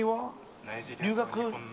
留学？